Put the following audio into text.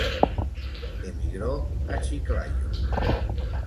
Emigró a Chiclayo.